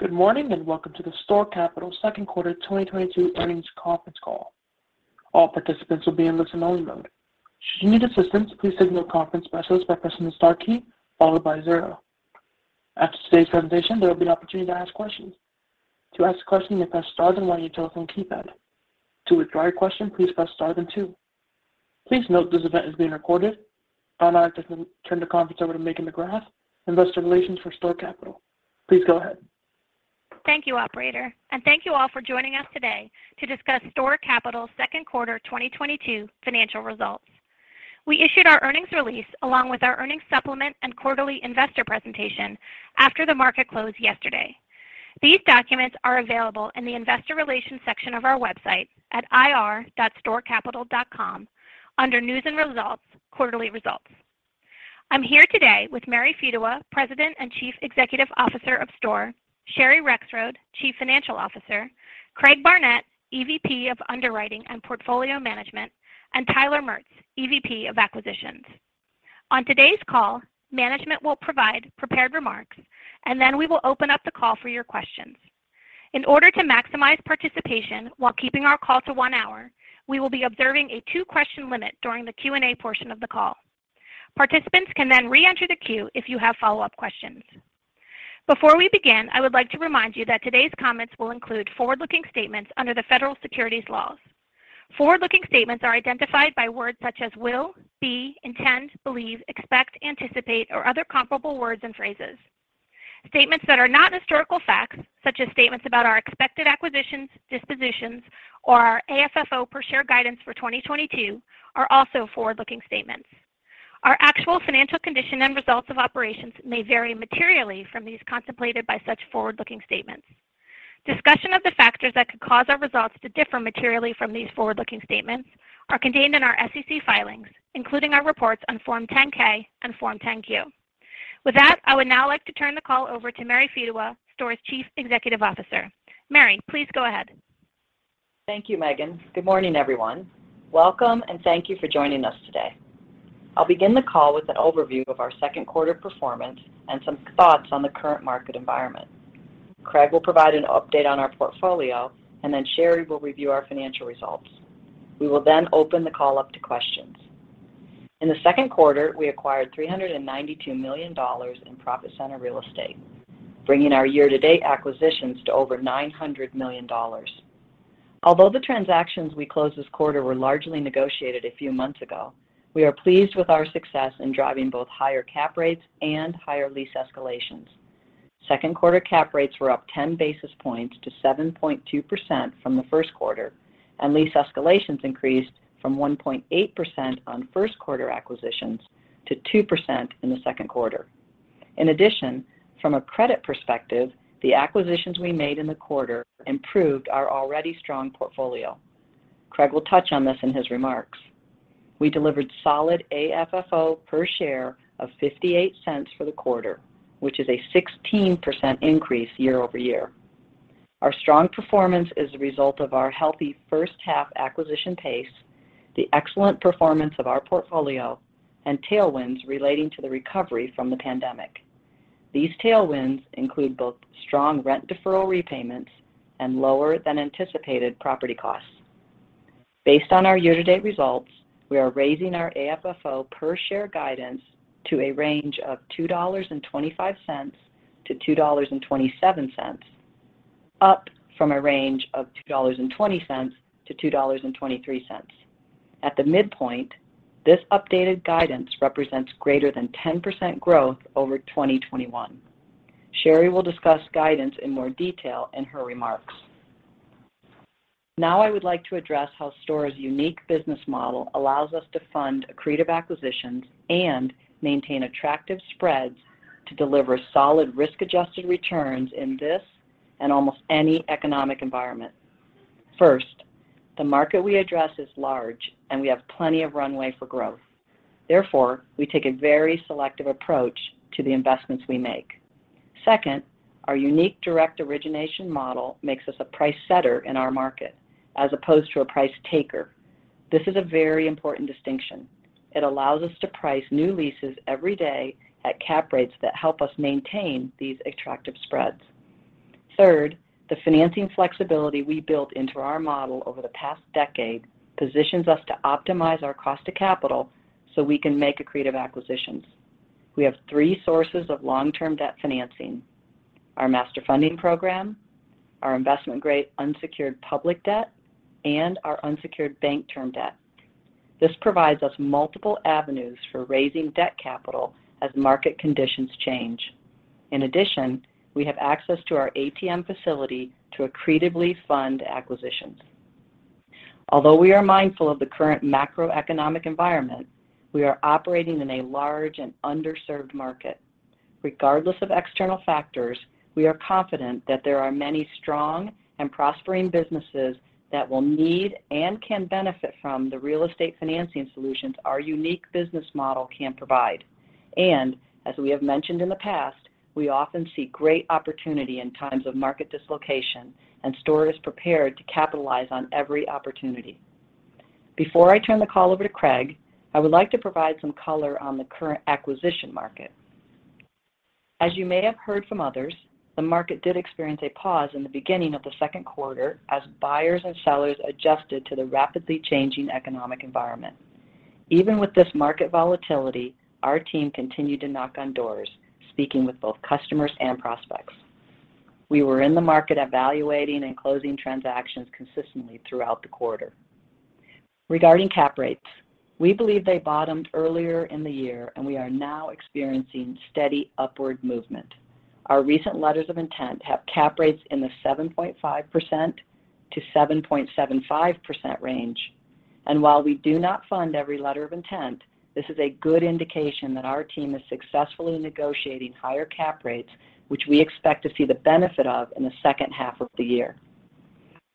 Good morning, and welcome to the STORE Capital second quarter 2022 earnings conference call. All participants will be in listen-only mode. Should you need assistance, please signal a conference specialist by pressing the star key followed by zero. After today's presentation, there will be an opportunity to ask questions. To ask a question, you press star then one on your telephone keypad. To withdraw your question, please press star then two. Please note this event is being recorded. I would now like to turn the conference over to Megan McGrath, Investor Relations for STORE Capital. Please go ahead. Thank you, operator, and thank you all for joining us today to discuss STORE Capital's second quarter 2022 financial results. We issued our earnings release along with our earnings supplement and quarterly investor presentation after the market closed yesterday. These documents are available in the Investor Relations section of our website at ir.storecapital.com under News and Results, Quarterly Results. I'm here today with Mary Fedewa, President and Chief Executive Officer of STORE, Sherry Rexroad, Chief Financial Officer, Craig Barnett, EVP of Underwriting and Portfolio Management, and Tyler Maertz, EVP of Acquisitions. On today's call, management will provide prepared remarks, and then we will open up the call for your questions. In order to maximize participation while keeping our call to one hour, we will be observing a two-question limit during the Q&A portion of the call. Participants can then reenter the queue if you have follow-up questions. Before we begin, I would like to remind you that today's comments will include forward-looking statements under the federal securities laws. Forward-looking statements are identified by words such as will, be, intend, believe, expect, anticipate, or other comparable words and phrases. Statements that are not historical facts, such as statements about our expected acquisitions, dispositions, or our AFFO per share guidance for 2022 are also forward-looking statements. Our actual financial condition and results of operations may vary materially from these contemplated by such forward-looking statements. Discussion of the factors that could cause our results to differ materially from these forward-looking statements are contained in our SEC filings, including our reports on Form 10-K and Form 10-Q. With that, I would now like to turn the call over to Mary Fedewa, STORE's Chief Executive Officer. Mary, please go ahead. Thank you, Megan. Good morning, everyone. Welcome, and thank you for joining us today. I'll begin the call with an overview of our second quarter performance and some thoughts on the current market environment. Craig will provide an update on our portfolio, and then Sherry will review our financial results. We will then open the call up to questions. In the second quarter, we acquired $392 million in profit center real estate, bringing our year-to-date acquisitions to over $900 million. Although the transactions we closed this quarter were largely negotiated a few months ago, we are pleased with our success in driving both higher cap rates and higher lease escalations. Second quarter cap rates were up 10 basis points to 7.2% from the first quarter, and lease escalations increased from 1.8% on first quarter acquisitions to 2% in the second quarter. In addition, from a credit perspective, the acquisitions we made in the quarter improved our already strong portfolio. Craig will touch on this in his remarks. We delivered solid AFFO per share of $0.58 for the quarter, which is a 16% increase year-over-year. Our strong performance is the result of our healthy first half acquisition pace, the excellent performance of our portfolio, and tailwinds relating to the recovery from the pandemic. These tailwinds include both strong rent deferral repayments and lower than anticipated property costs. Based on our year-to-date results, we are raising our AFFO per share guidance to a range of $2.25-$2.27, up from a range of $2.20-$2.23. At the midpoint, this updated guidance represents greater than 10% growth over 2021. Sherry will discuss guidance in more detail in her remarks. Now I would like to address how STORE's unique business model allows us to fund accretive acquisitions and maintain attractive spreads to deliver solid risk-adjusted returns in this and almost any economic environment. First, the market we address is large, and we have plenty of runway for growth. Therefore, we take a very selective approach to the investments we make. Second, our unique direct origination model makes us a price setter in our market as opposed to a price taker. This is a very important distinction. It allows us to price new leases every day at cap rates that help us maintain these attractive spreads. Third, the financing flexibility we built into our model over the past decade positions us to optimize our cost of capital so we can make accretive acquisitions. We have three sources of long-term debt financing, our master funding program, our investment-grade unsecured public debt, and our unsecured bank term debt. This provides us multiple avenues for raising debt capital as market conditions change. In addition, we have access to our ATM facility to accretively fund acquisitions. Although we are mindful of the current macroeconomic environment, we are operating in a large and underserved market. Regardless of external factors, we are confident that there are many strong and prospering businesses that will need and can benefit from the real estate financing solutions our unique business model can provide. As we have mentioned in the past, we often see great opportunity in times of market dislocation, and STORE is prepared to capitalize on every opportunity. Before I turn the call over to Craig, I would like to provide some color on the current acquisition market. As you may have heard from others, the market did experience a pause in the beginning of the second quarter as buyers and sellers adjusted to the rapidly changing economic environment. Even with this market volatility, our team continued to knock on doors, speaking with both customers and prospects. We were in the market evaluating and closing transactions consistently throughout the quarter. Regarding cap rates, we believe they bottomed earlier in the year and we are now experiencing steady upward movement. Our recent letters of intent have cap rates in the 7.5%-7.75% range. While we do not fund every letter of intent, this is a good indication that our team is successfully negotiating higher cap rates, which we expect to see the benefit of in the second half of the year.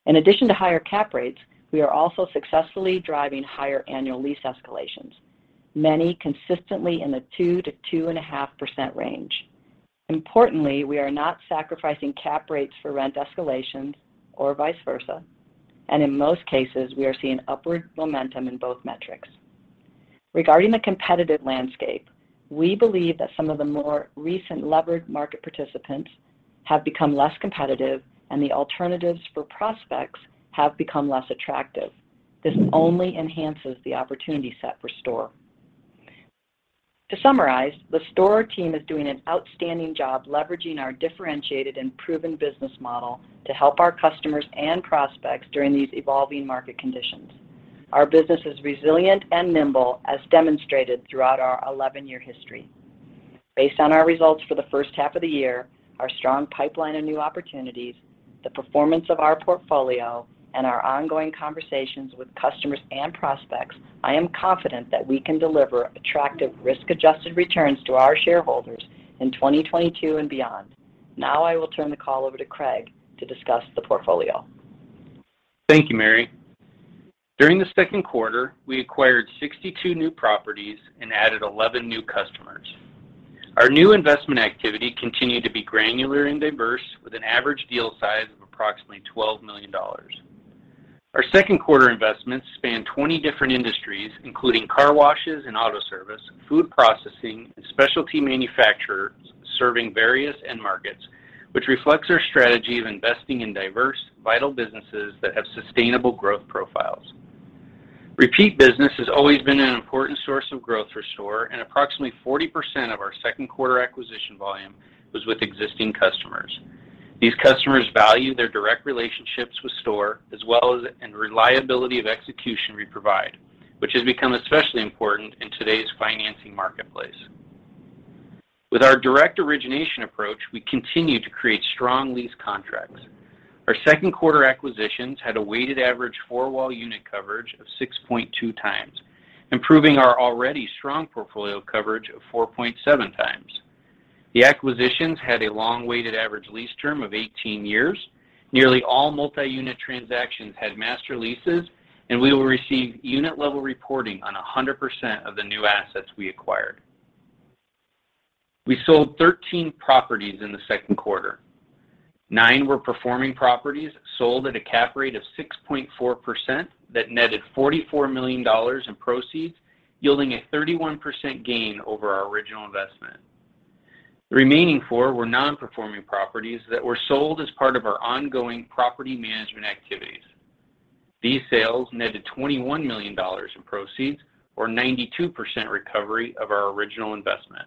In addition to higher cap rates, we are also successfully driving higher annual lease escalations, many consistently in the 2%-2.5% range. Importantly, we are not sacrificing cap rates for rent escalations or vice versa. In most cases, we are seeing upward momentum in both metrics. Regarding the competitive landscape, we believe that some of the more recent levered market participants have become less competitive and the alternatives for prospects have become less attractive. This only enhances the opportunity set for STORE. To summarize, the STORE team is doing an outstanding job leveraging our differentiated and proven business model to help our customers and prospects during these evolving market conditions. Our business is resilient and nimble as demonstrated throughout our 11-year history. Based on our results for the first half of the year, our strong pipeline of new opportunities, the performance of our portfolio, and our ongoing conversations with customers and prospects, I am confident that we can deliver attractive risk-adjusted returns to our shareholders in 2022 and beyond. Now I will turn the call over to Craig to discuss the portfolio. Thank you, Mary. During the second quarter, we acquired 62 new properties and added 11 new customers. Our new investment activity continued to be granular and diverse with an average deal size of approximately $12 million. Our second quarter investments spanned 20 different industries, including car washes and auto service, food processing, and specialty manufacturers serving various end markets, which reflects our strategy of investing in diverse, vital businesses that have sustainable growth profiles. Repeat business has always been an important source of growth for STORE, and approximately 40% of our second quarter acquisition volume was with existing customers. These customers value their direct relationships with STORE as well as the reliability of execution we provide, which has become especially important in today's financing marketplace. With our direct origination approach, we continue to create strong lease contracts. Our second quarter acquisitions had a weighted average four-wall unit coverage of 6.2x, improving our already strong portfolio coverage of 4.7x. The acquisitions had a long weighted average lease term of 18 years. Nearly all multi-unit transactions had master leases, and we will receive unit-level reporting on 100% of the new assets we acquired. We sold 13 properties in the second quarter. Nine were performing properties sold at a cap rate of 6.4% that netted $44 million in proceeds, yielding a 31% gain over our original investment. The remaining four were non-performing properties that were sold as part of our ongoing property management activities. These sales netted $21 million in proceeds, or 92% recovery of our original investment.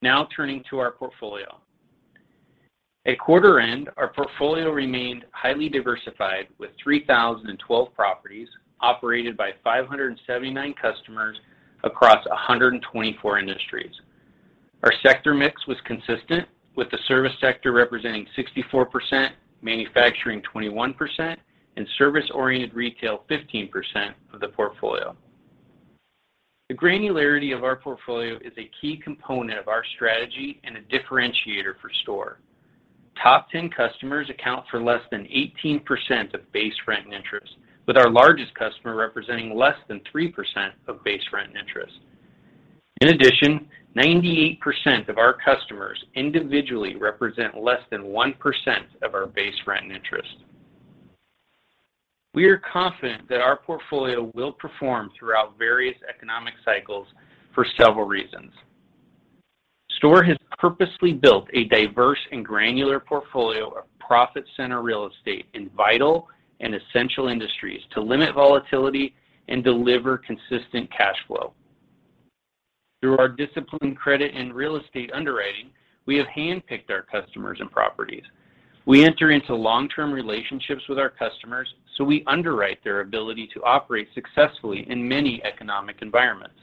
Now turning to our portfolio. At quarter end, our portfolio remained highly diversified with 3,012 properties operated by 579 customers across 124 industries. Our sector mix was consistent, with the service sector representing 64%, manufacturing 21%, and service-oriented retail 15% of the portfolio. The granularity of our portfolio is a key component of our strategy and a differentiator for STORE. Top 10 customers account for less than 18% of base rent and interest, with our largest customer representing less than 3% of base rent and interest. In addition, 98% of our customers individually represent less than 1% of our base rent and interest. We are confident that our portfolio will perform throughout various economic cycles for several reasons. STORE has purposely built a diverse and granular portfolio of profit center real estate in vital and essential industries to limit volatility and deliver consistent cash flow. Through our disciplined credit and real estate underwriting, we have handpicked our customers and properties. We enter into long-term relationships with our customers, so we underwrite their ability to operate successfully in many economic environments.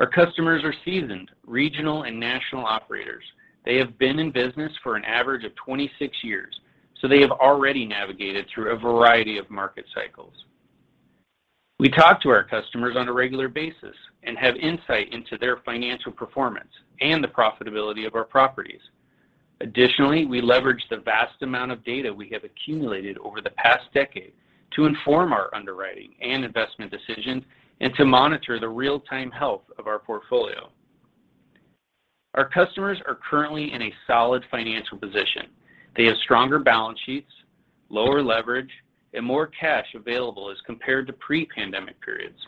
Our customers are seasoned regional and national operators. They have been in business for an average of 26 years, so they have already navigated through a variety of market cycles. We talk to our customers on a regular basis and have insight into their financial performance and the profitability of our properties. Additionally, we leverage the vast amount of data we have accumulated over the past decade to inform our underwriting and investment decisions and to monitor the real-time health of our portfolio. Our customers are currently in a solid financial position. They have stronger balance sheets, lower leverage, and more cash available as compared to pre-pandemic periods.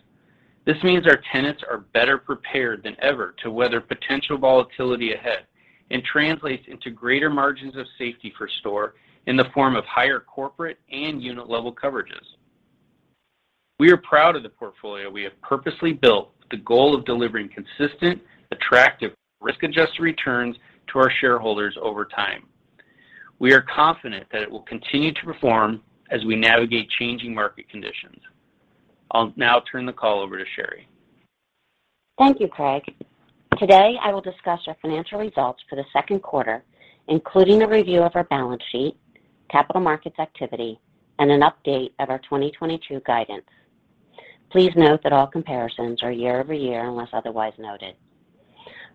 This means our tenants are better prepared than ever to weather potential volatility ahead and translates into greater margins of safety for STORE in the form of higher corporate and unit level coverages. We are proud of the portfolio we have purposely built with the goal of delivering consistent, attractive, risk-adjusted returns to our shareholders over time. We are confident that it will continue to perform as we navigate changing market conditions. I'll now turn the call over to Sherry. Thank you, Craig. Today, I will discuss our financial results for the second quarter, including a review of our balance sheet, Capital Markets activity, and an update of our 2022 guidance. Please note that all comparisons are year-over-year unless otherwise noted.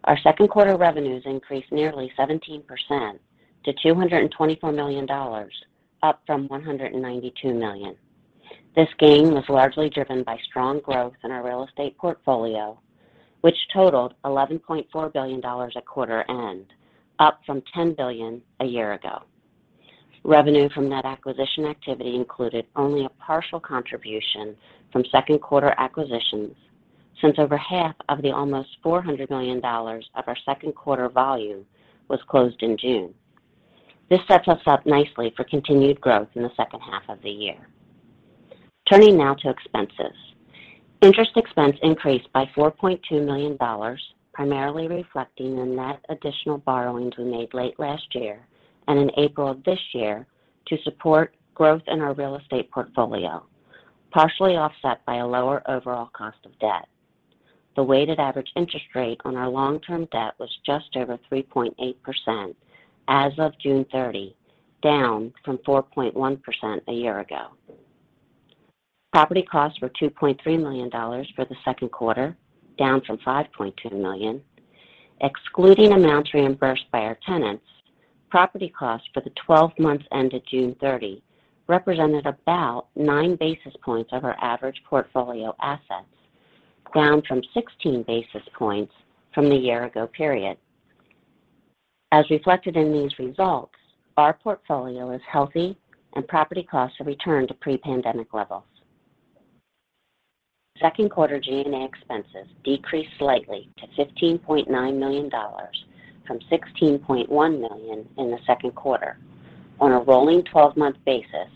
Our second quarter revenues increased nearly 17% to $224 million, up from $192 million. This gain was largely driven by strong growth in our real estate portfolio, which totaled $11.4 billion at quarter end, up from $10 billion a year ago. Revenue from net acquisition activity included only a partial contribution from second quarter acquisitions since over half of the almost $400 million of our second quarter volume was closed in June. This sets us up nicely for continued growth in the second half of the year. Turning now to expenses. Interest expense increased by $4.2 million, primarily reflecting the net additional borrowings we made late last year and in April of this year to support growth in our real estate portfolio, partially offset by a lower overall cost of debt. The weighted average interest rate on our long-term debt was just over 3.8% as of June 30, down from 4.1% a year ago. Property costs were $2.3 million for the second quarter, down from $5.2 million. Excluding amounts reimbursed by our tenants, property costs for the 12 months ended June 30 represented about 9 basis points of our average portfolio assets, down from 16 basis points from the year ago period. As reflected in these results, our portfolio is healthy and property costs have returned to pre-pandemic levels. Second quarter G&A expenses decreased slightly to $15.9 million from $16.1 million in the second quarter. On a rolling 12-month basis,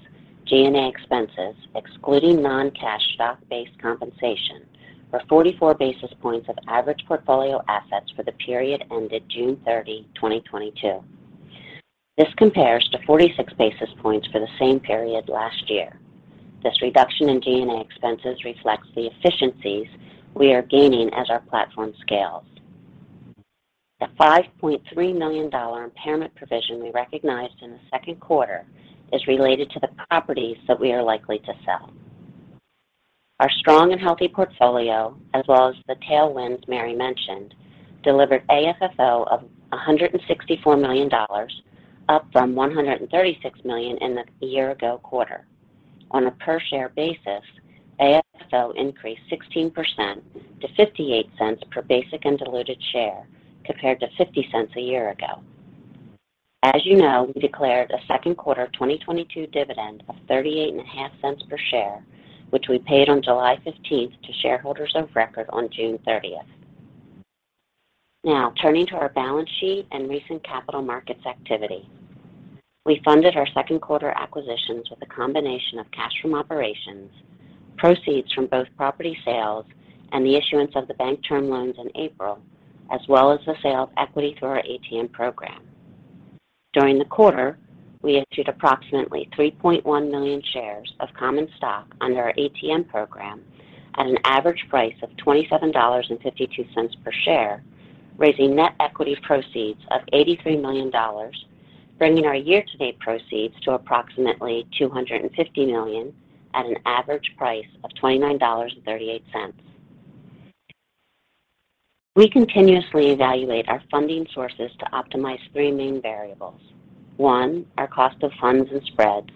G&A expenses, excluding non-cash stock-based compensation, were 44 basis points of average portfolio assets for the period ended June 30, 2022. This compares to 46 basis points for the same period last year. This reduction in G&A expenses reflects the efficiencies we are gaining as our platform scales. The $5.3 million impairment provision we recognized in the second quarter is related to the properties that we are likely to sell. Our strong and healthy portfolio, as well as the tailwinds Mary mentioned, delivered AFFO of $164 million, up from $136 million in the year ago quarter. On a per share basis, AFFO increased 16% to $0.58 per basic and diluted share compared to $0.50 a year ago. As you know, we declared a second quarter 2022 dividend of $0.385 per share, which we paid on July 15th to shareholders of record on June 30th. Now, turning to our balance sheet and recent Capital Markets activity. We funded our second quarter acquisitions with a combination of cash from operations, proceeds from both property sales and the issuance of the bank term loans in April, as well as the sale of equity through our ATM program. During the quarter, we issued approximately 3.1 million shares of common stock under our ATM program at an average price of $27.52 per share, raising net equity proceeds of $83 million, bringing our year-to-date proceeds to approximately $250 million at an average price of $29.38. We continuously evaluate our funding sources to optimize three main variables. One, our cost of funds and spreads.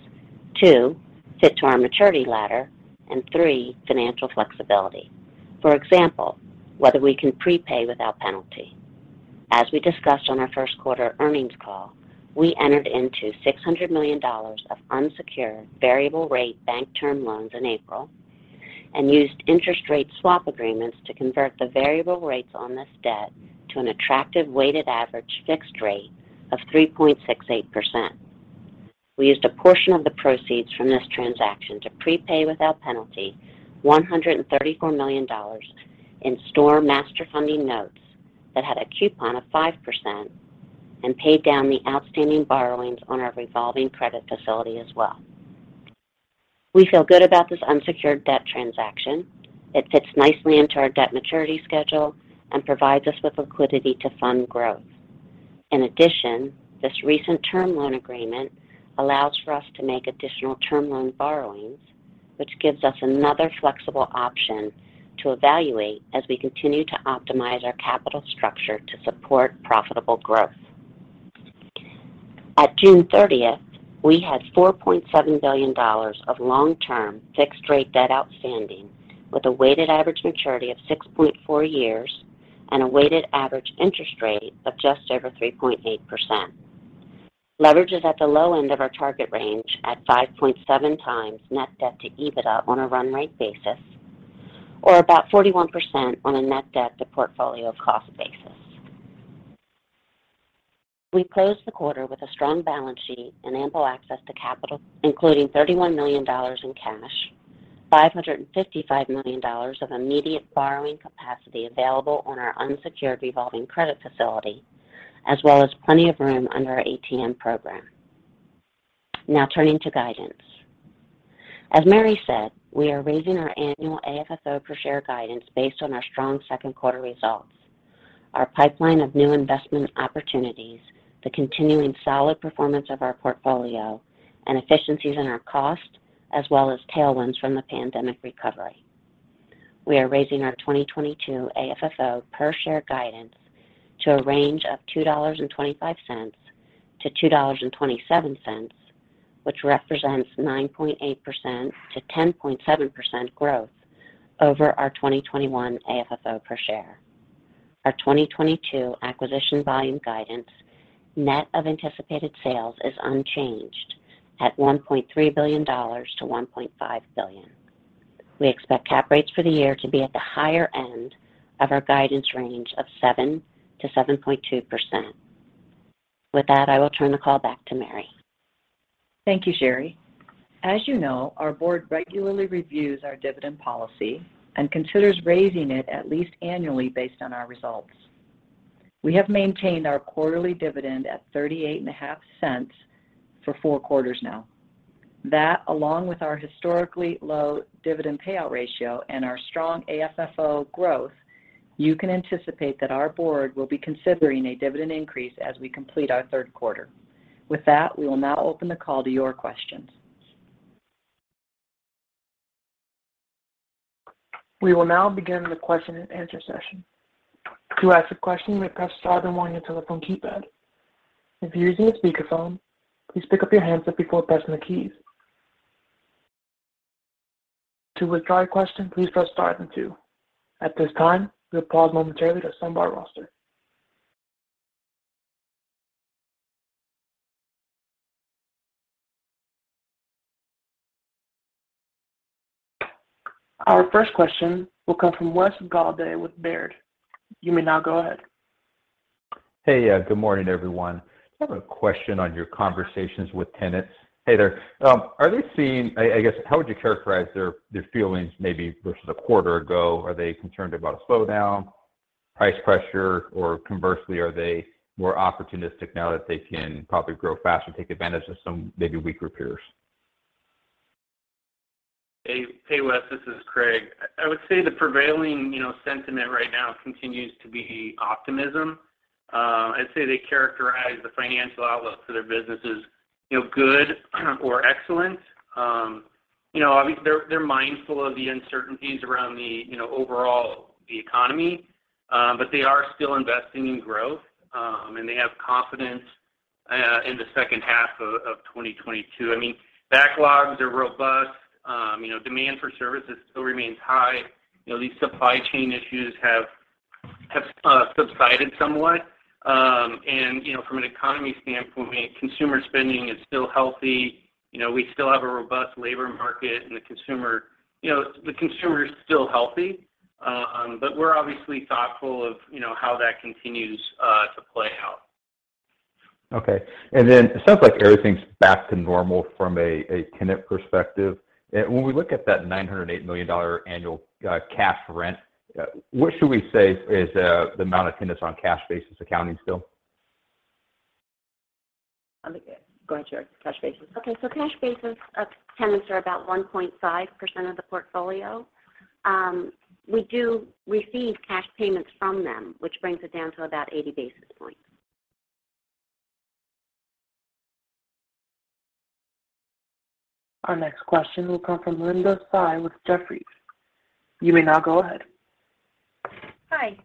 Two, fit to our maturity ladder. And three, financial flexibility. For example, whether we can prepay without penalty. As we discussed on our first quarter earnings call, we entered into $600 million of unsecured variable rate bank term loans in April and used interest rate swap agreements to convert the variable rates on this debt to an attractive weighted average fixed rate of 3.68%. We used a portion of the proceeds from this transaction to prepay without penalty $134 million in STORE Master Funding notes that had a coupon of 5% and paid down the outstanding borrowings on our revolving credit facility as well. We feel good about this unsecured debt transaction. It fits nicely into our debt maturity schedule and provides us with liquidity to fund growth. In addition, this recent term loan agreement allows for us to make additional term loan borrowings, which gives us another flexible option to evaluate as we continue to optimize our capital structure to support profitable growth. At June 30th, we had $4.7 billion of long-term fixed rate debt outstanding with a weighted average maturity of 6.4 years and a weighted average interest rate of just over 3.8%. Leverage is at the low end of our target range at 5.7x net debt to EBITDA on a run rate basis, or about 41% on a net debt to portfolio cost basis. We closed the quarter with a strong balance sheet and ample access to capital, including $31 million in cash, $555 million of immediate borrowing capacity available on our unsecured revolving credit facility, as well as plenty of room under our ATM program. Now turning to guidance. As Mary said, we are raising our annual AFFO per share guidance based on our strong second quarter results. Our pipeline of new investment opportunities, the continuing solid performance of our portfolio, and efficiencies in our cost, as well as tailwinds from the pandemic recovery. We are raising our 2022 AFFO per share guidance to a range of $2.25-$2.27, which represents 9.8%-10.7% growth over our 2021 AFFO per share. Our 2022 acquisition volume guidance, net of anticipated sales, is unchanged at $1.3 billion-$1.5 billion. We expect cap rates for the year to be at the higher end of our guidance range of 7%-7.2%. With that, I will turn the call back to Mary. Thank you, Sherry. As you know, our board regularly reviews our dividend policy and considers raising it at least annually based on our results. We have maintained our quarterly dividend at $0.385 for four quarters now. That, along with our historically low dividend payout ratio and our strong AFFO growth, you can anticipate that our board will be considering a dividend increase as we complete our third quarter. With that, we will now open the call to your questions. We will now begin the question and answer session. To ask a question, press star then one on your telephone keypad. If you're using a speakerphone, please pick up your handset before pressing the keys. To withdraw your question, please press star then two. At this time, we'll pause momentarily to assemble our roster. Our first question will come from Wes Golladay with Baird. You may now go ahead. Hey, good morning, everyone. I have a question on your conversations with tenants. Hey there. I guess how would you characterize their feelings maybe versus a quarter ago? Are they concerned about a slowdown, price pressure, or conversely, are they more opportunistic now that they can probably grow faster and take advantage of some maybe weaker peers? Hey, hey, Wes. This is Craig. I would say the prevailing, you know, sentiment right now continues to be optimism. I'd say they characterize the financial outlook for their business as, you know, good or excellent. You know, they're mindful of the uncertainties around the, you know, overall the economy, but they are still investing in growth, and they have confidence in the second half of 2022. I mean, backlogs are robust. You know, demand for services still remains high. You know, these supply chain issues have subsided somewhat. You know, from an economy standpoint, I mean, consumer spending is still healthy. You know, we still have a robust labor market, and the consumer is still healthy, but we're obviously thoughtful of, you know, how that continues to play out. It sounds like everything's back to normal from a tenant perspective. When we look at that $908 million annual cash rent, what should we say is the amount of tenants on cash basis accounting still? Go ahead, Sherry. Cash basis. Cash basis of tenants are about 1.5% of the portfolio. We do receive cash payments from them, which brings it down to about 80 basis points. Our next question will come from Linda Tsai with Jefferies. You may now go ahead. Hi.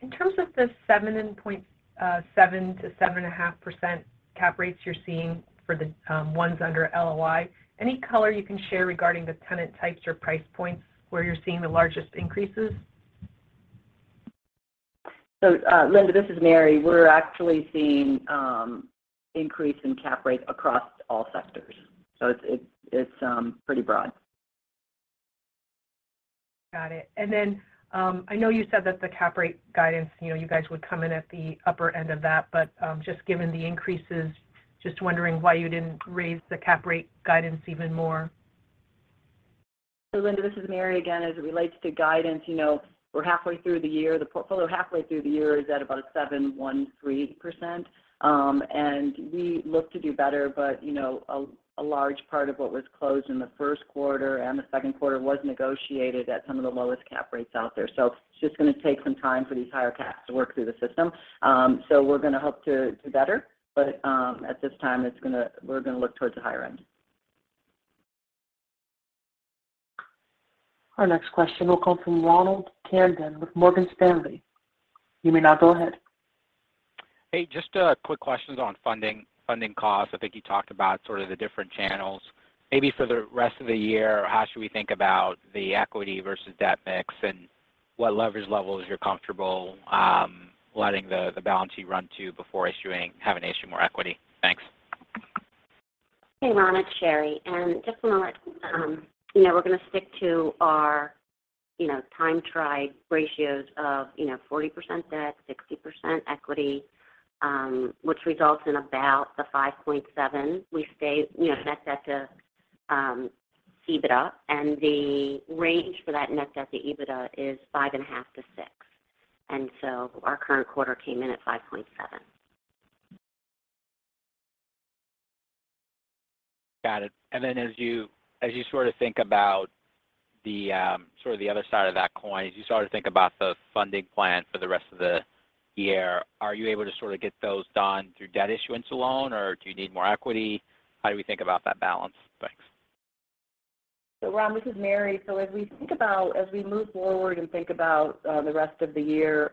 In terms of the 7.7%-7.5% cap rates you're seeing for the ones under LOI, any color you can share regarding the tenant types or price points where you're seeing the largest increases? Linda, this is Mary. We're actually seeing increase in cap rate across all sectors. It's pretty broad. Got it. I know you said that the cap rate guidance, you know, you guys would come in at the upper end of that, but, just given the increases, just wondering why you didn't raise the cap rate guidance even more. Linda, this is Mary again. As it relates to guidance, you know, we're halfway through the year. The portfolio halfway through the year is at about 7.13%, and we look to do better. You know, a large part of what was closed in the first quarter and the second quarter was negotiated at some of the lowest cap rates out there. It's just gonna take some time for these higher caps to work through the system. We're gonna hope to better, but at this time, we're gonna look towards the higher end. Our next question will come from Ronald Kamdem with Morgan Stanley. You may now go ahead. Hey, just a quick question on funding costs. I think you talked about sort of the different channels. Maybe for the rest of the year, how should we think about the equity versus debt mix and what leverage levels you're comfortable letting the balance sheet run to before having to issue more equity? Thanks. Hey, Ron, it's Sherry. Just to let you know, we're gonna stick to our, you know, tried-and-true ratios of, you know, 40% debt, 60% equity, which results in about the 5.7. We stay, you know, net debt to EBITDA, and the range for that net debt to EBITDA is 5.5-6. Our current quarter came in at 5.7. Got it. As you sort of think about the other side of that coin, as you start to think about the funding plan for the rest of the year, are you able to sort of get those done through debt issuance alone, or do you need more equity? How do we think about that balance? Thanks. Ron, this is Mary. As we move forward and think about the rest of the year,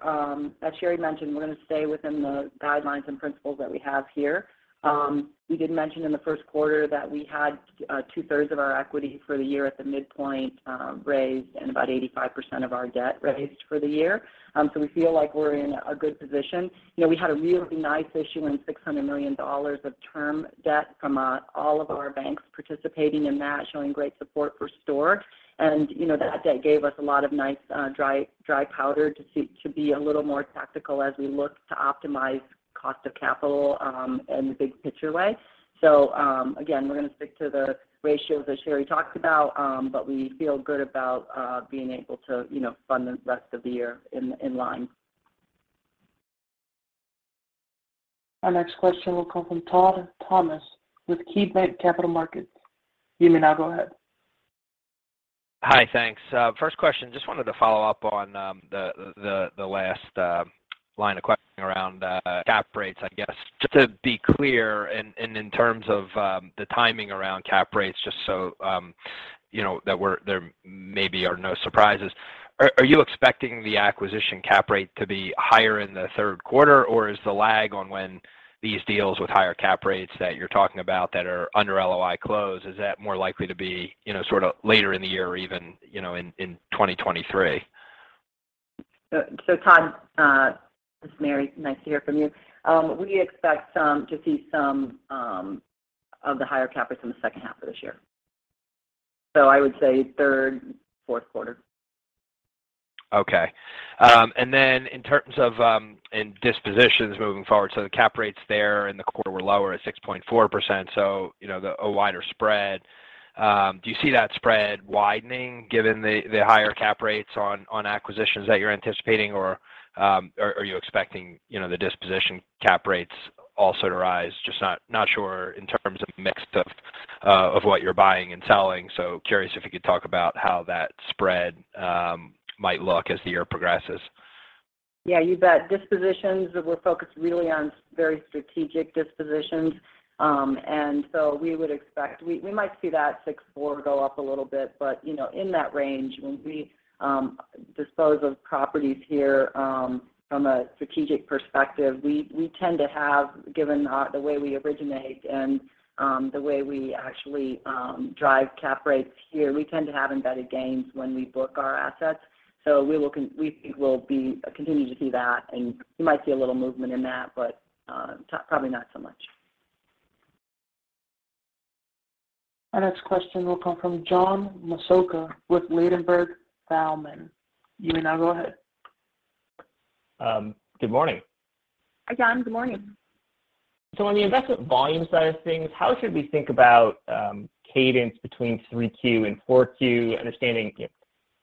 as Sherry mentioned, we're gonna stay within the guidelines and principles that we have here. We did mention in the first quarter that we had two-thirds of our equity for the year at the midpoint raised and about 85% of our debt raised for the year. We feel like we're in a good position. You know, we had a really nice issuance, $600 million of term debt from all of our banks participating in that, showing great support for STORE. You know, that debt gave us a lot of nice dry powder to be a little more tactical as we look to optimize cost of capital in the big picture way. Again, we're gonna stick to the ratios that Sherry talked about, but we feel good about being able to, you know, fund the rest of the year in line. Our next question will come from Todd Thomas with KeyBank Capital Markets. You may now go ahead. Hi, thanks. First question, just wanted to follow up on the last line of questioning around cap rates, I guess. Just to be clear in terms of the timing around cap rates, just so you know that there maybe are no surprises. Are you expecting the acquisition cap rate to be higher in the third quarter, or is the lag on when these deals with higher cap rates that you're talking about that are under LOI close, is that more likely to be, you know, sort of later in the year or even, you know, in 2023? Todd, this is Mary. Nice to hear from you. We expect to see some of the higher cap rates in the second half of this year. I would say third, fourth quarter. Okay. In terms of in dispositions moving forward, the cap rates there in the quarter were lower at 6.4%, so you know, a wider spread. Do you see that spread widening given the higher cap rates on acquisitions that you're anticipating or are you expecting, you know, the disposition cap rates also to rise? Just not sure in terms of mix of what you're buying and selling. Curious if you could talk about how that spread might look as the year progresses. Yeah, you bet. Dispositions, we're focused really on very strategic dispositions. We would expect we might see that 6.4 go up a little bit. You know, in that range, when we dispose of properties here, from a strategic perspective, we tend to have, given the way we originate and the way we actually drive cap rates here, we tend to have embedded gains when we book our assets. We think we'll continue to see that, and you might see a little movement in that, but probably not so much. Our next question will come from John Massocca with Ladenburg Thalmann. You may now go ahead. Good morning. Hi, John. Good morning. On the investment volume side of things, how should we think about cadence between 3Q and 4Q, understanding, you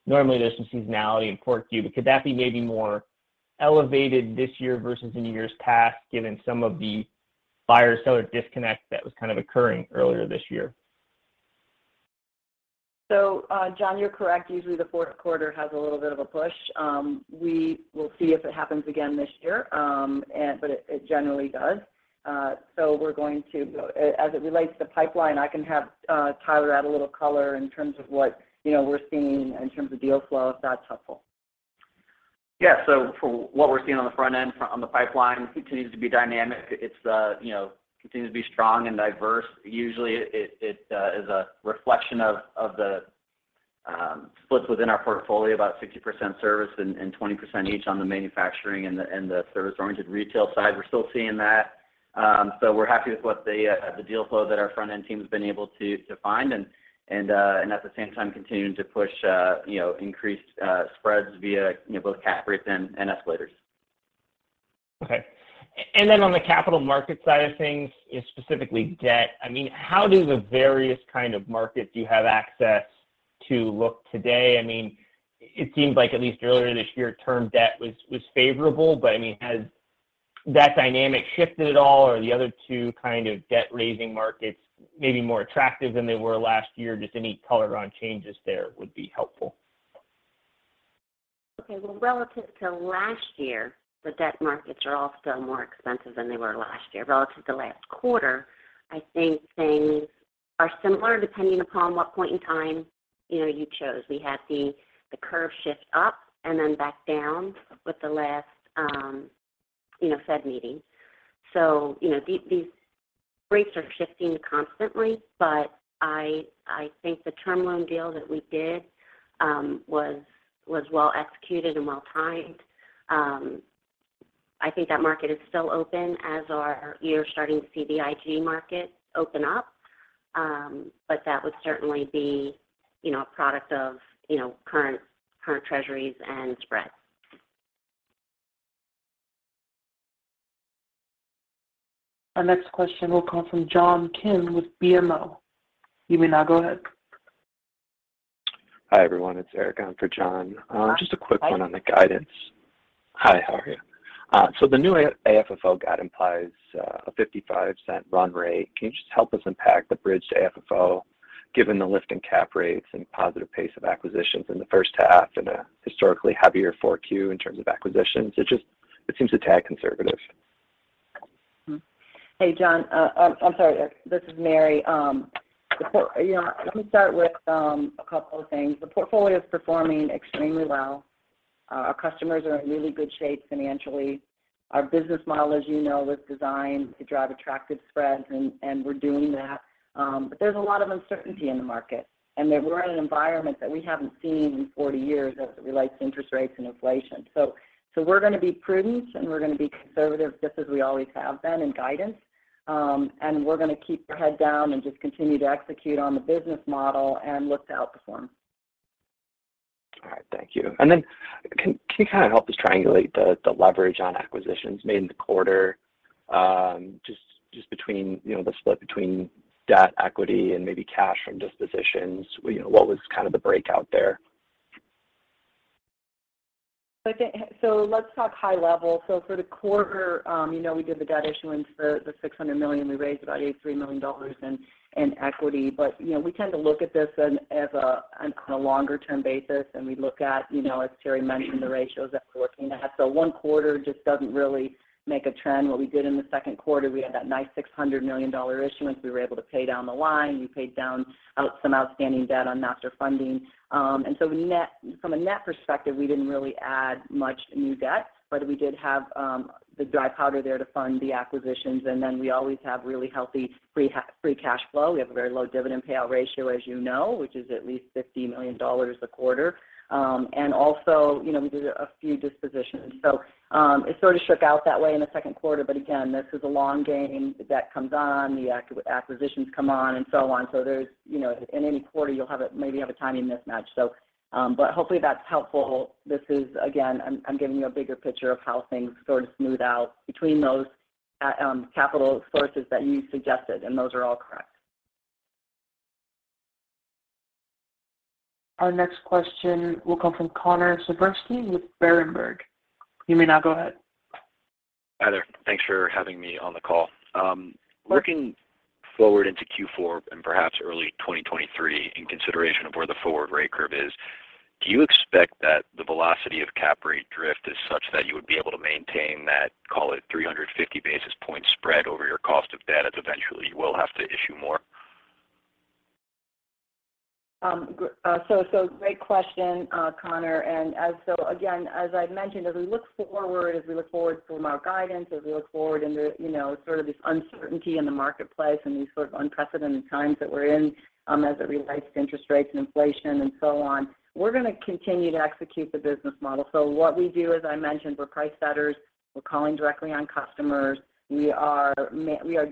know, normally there's some seasonality in 4Q. Could that be maybe more elevated this year versus in years past, given some of the buyer-seller disconnect that was kind of occurring earlier this year? John, you're correct. Usually the fourth quarter has a little bit of a push. We will see if it happens again this year. But it generally does. As it relates to pipeline, I can have Tyler add a little color in terms of what, you know, we're seeing in terms of deal flow, if that's helpful. For what we're seeing on the front end on the pipeline continues to be dynamic. It's you know continues to be strong and diverse. Usually it is a reflection of the splits within our portfolio, about 60% service and 20% each on the manufacturing and the service-oriented retail side. We're still seeing that. We're happy with the deal flow that our front-end team's been able to find and at the same time continuing to push you know increased spreads via you know both cap rates and escalators. Okay. On the Capital Market side of things, specifically debt, I mean, how do the various kind of markets you have access to look today? I mean, it seems like at least earlier this year, term debt was favorable. I mean, has that dynamic shifted at all or the other two kind of debt-raising markets may be more attractive than they were last year? Just any color on changes there would be helpful. Okay. Well, relative to last year, the debt markets are all still more expensive than they were last year. Relative to last quarter, I think things are similar depending upon what point in time, you know, you chose. We had the curve shift up and then back down with the last, you know, Fed meeting. You know, these rates are shifting constantly, but I think the term loan deal that we did was well executed and well timed. I think that market is still open, as we are starting to see the IG market open up. That would certainly be, you know, a product of, you know, current treasuries and spreads. Our next question will come from John Kim with BMO. You may now go ahead. Hi, everyone. It's Eric on for John. Hi. Just a quick one on the guidance. Hi, how are you? So the new AFFO guide implies a $0.55 run rate. Can you just help us unpack the bridge to AFFO given the lift in cap rates and positive pace of acquisitions in the first half and a historically heavier Q4 in terms of acquisitions? It just seems a tad conservative. Mm-hmm. Hey, John. I'm sorry, Eric. This is Mary. You know, let me start with a couple of things. The portfolio is performing extremely well. Our customers are in really good shape financially. Our business model, as you know, was designed to drive attractive spreads and we're doing that. There's a lot of uncertainty in the market and that we're in an environment that we haven't seen in 40 years as it relates to interest rates and inflation. We're gonna be prudent, and we're gonna be conservative just as we always have been in guidance. We're gonna keep our head down and just continue to execute on the business model and look to outperform. All right. Thank you. Can you kind of help us triangulate the leverage on acquisitions made in the quarter, just between, you know, the split between debt equity and maybe cash from dispositions? You know, what was kind of the breakout there? I think. Let's talk high level. For the quarter, you know, we did the debt issuance, the $600 million. We raised about $83 million in equity. You know, we tend to look at this as on a longer term basis, and we look at, you know, as Sherry mentioned, the ratios that we're working at. One quarter just doesn't really make a trend. What we did in the second quarter, we had that nice $600 million issuance. We were able to pay down the line. We paid down some outstanding debt on STORE Master Funding. From a net perspective, we didn't really add much new debt, but we did have the dry powder there to fund the acquisitions, and then we always have really healthy free cash flow. We have a very low dividend payout ratio, as you know, which is at least $50 million a quarter. And also, you know, we did a few dispositions. It sort of shook out that way in the second quarter, but again, this is a long game. The debt comes on, the acquisitions come on and so on. There's, you know, in any quarter you'll have maybe a tiny mismatch. But hopefully that's helpful. This is again, I'm giving you a bigger picture of how things sort of smooth out between those capital sources that you suggested, and those are all correct. Our next question will come from Connor Siversky with Berenberg. You may now go ahead. Hi there. Thanks for having me on the call. Of course. Looking forward into Q4 and perhaps early 2023 in consideration of where the forward rate curve is, do you expect that the velocity of cap rate drift is such that you would be able to maintain that, call it 350 basis point spread over your cost of debt as eventually you will have to issue more? Great question, Connor. As I said again, as I've mentioned, as we look forward from our guidance into, you know, sort of this uncertainty in the marketplace and this sort of unprecedented times that we're in, as it relates to interest rates and inflation and so on, we're gonna continue to execute the business model. What we do, as I mentioned, we're price setters. We're calling directly on customers. We are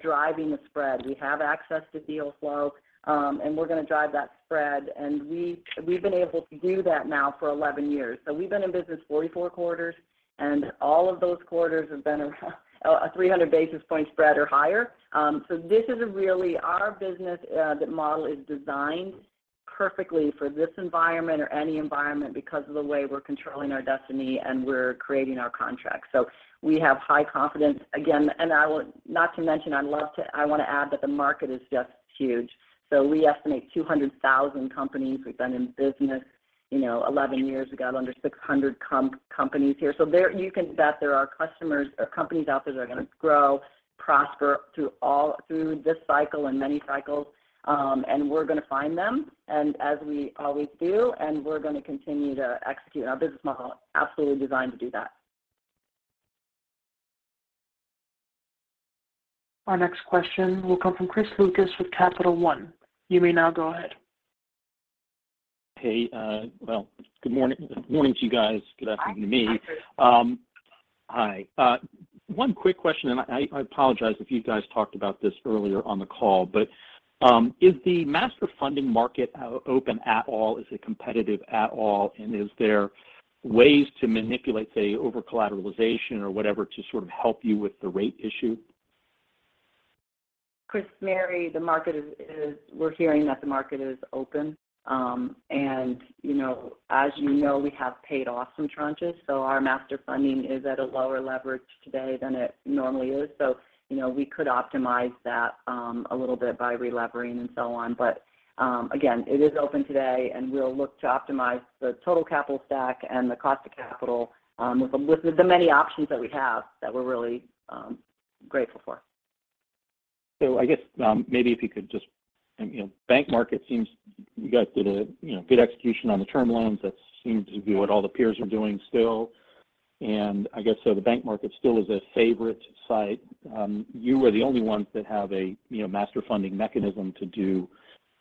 driving the spread. We have access to deal flow, and we're gonna drive that spread. We've been able to do that now for 11 years. We've been in business 44 quarters, and all of those quarters have been around a 300 basis point spread or higher. This is really our business model is designed perfectly for this environment or any environment because of the way we're controlling our destiny and we're creating our contracts. We have high confidence. Not to mention, I want to add that the market is just huge. We estimate 200,000 companies. We've been in business, you know, 11 years. We've got under 600 companies here. You can bet there are customers or companies out there that are gonna grow, prosper through this cycle and many cycles, and we're gonna find them and as we always do, and we're gonna continue to execute. Our business model is absolutely designed to do that. Our next question will come from Chris Lucas with Capital One. You may now go ahead. Hey, well, good morning. Morning to you guys. Good afternoon to me. Hi, Chris. Hi. One quick question, and I apologize if you guys talked about this earlier on the call, but is the master funding market open at all? Is it competitive at all? And is there ways to manipulate, say, over-collateralization or whatever to sort of help you with the rate issue? Chris, Mary, the market is open. You know, as you know, we have paid off some tranches, so our master funding is at a lower leverage today than it normally is. You know, we could optimize that a little bit by relevering and so on. Again, it is open today, and we'll look to optimize the total capital stack and the cost of capital with the many options that we have that we're really grateful for. I guess maybe if you could just. You know, bank market seems you guys did a good execution on the term loans. That seems to be what all the peers are doing still. I guess the bank market still is a favorite source. You are the only ones that have a Master Funding mechanism to do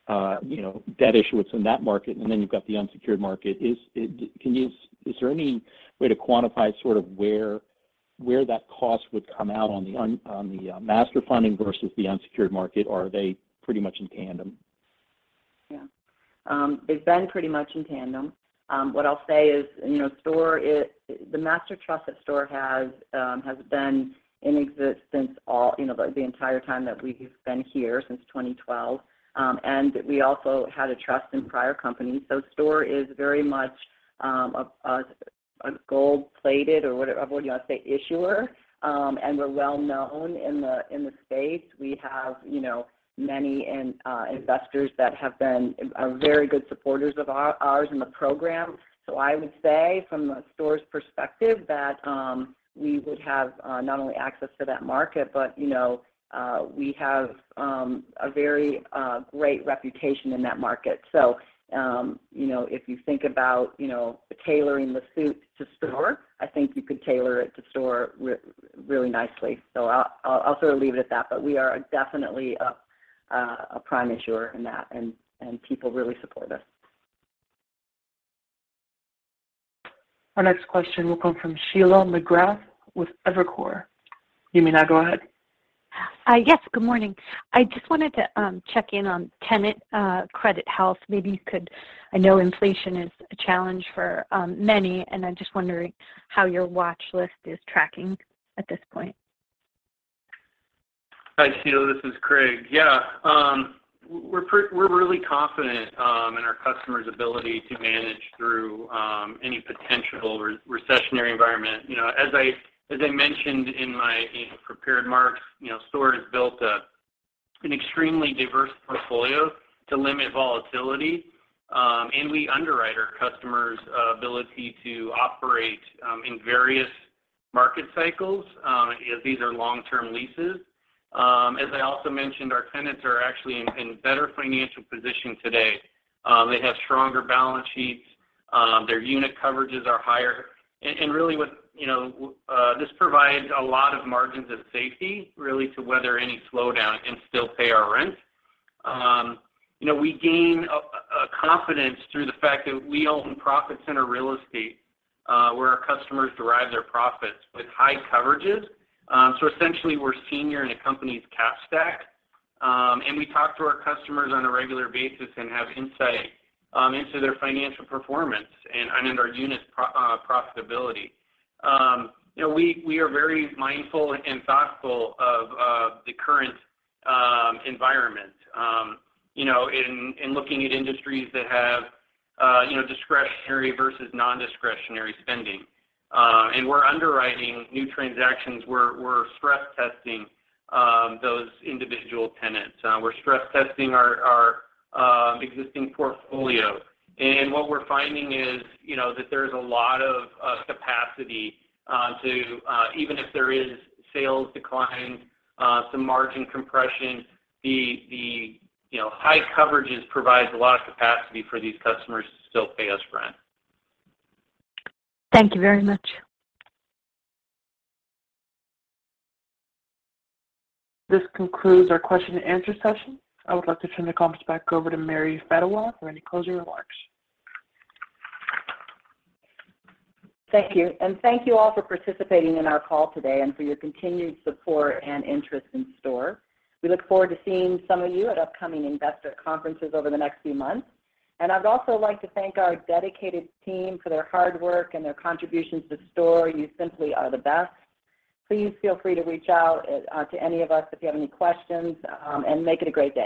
debt issuance in that market, and then you've got the unsecured market. Is there any way to quantify sort of where that cost would come out on the Master Funding versus the unsecured market, or are they pretty much in tandem? Yeah. They've been pretty much in tandem. What I'll say is, you know, the master trust that STORE has has been in existence all, you know, the entire time that we've been here, since 2012. We also had a trust in prior companies. STORE is very much a gold-plated, or whatever, however you wanna say, issuer. We're well known in the space. We have, you know, many investors that are very good supporters of ours and the program. I would say from STORE's perspective that we would have not only access to that market, but, you know, we have a very great reputation in that market. You know, if you think about tailoring the suit to STORE, I think you could tailor it to STORE really nicely. I'll sort of leave it at that, but we are definitely a prime issuer in that and people really support us. Our next question will come from Sheila McGrath with Evercore. You may now go ahead. Yes. Good morning. I just wanted to check in on tenant credit health. Maybe you could. I know inflation is a challenge for many, and I'm just wondering how your watchlist is tracking at this point. Hi, Sheila. This is Craig. Yeah, we're really confident in our customers' ability to manage through any potential recessionary environment. You know, as I mentioned in my prepared remarks, you know, STORE has built an extremely diverse portfolio to limit volatility, and we underwrite our customers' ability to operate in various market cycles, as these are long-term leases. As I also mentioned, our tenants are actually in better financial position today. They have stronger balance sheets. Their unit coverages are higher. Really what you know this provides a lot of margins of safety really to weather any slowdown and still pay our rent. You know, we gain confidence through the fact that we own profit center real estate, where our customers derive their profits with high coverages. So essentially we're senior in a company's cap stack. We talk to our customers on a regular basis and have insight into their financial performance and in our units profitability. You know, we are very mindful and thoughtful of the current environment, you know, in looking at industries that have, you know, discretionary versus non-discretionary spending. We're underwriting new transactions. We're stress testing those individual tenants. We're stress testing our existing portfolio. What we're finding is, you know, that there's a lot of capacity to even if there is sales decline, some margin compression, the you know, high coverages provides a lot of capacity for these customers to still pay us rent. Thank you very much. This concludes our question and answer session. I would like to turn the conference back over to Mary Fedewa for any closing remarks. Thank you. Thank you all for participating in our call today and for your continued support and interest in STORE. We look forward to seeing some of you at upcoming investor conferences over the next few months. I'd also like to thank our dedicated team for their hard work and their contributions to STORE. You simply are the best. Please feel free to reach out to any of us if you have any questions, and make it a great day.